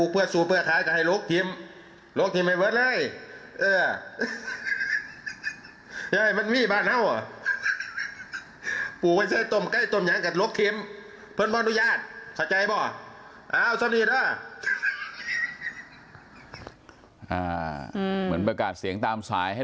เหมือนประกัดเสียงตามสายให้ลูกทิมทุกคนไป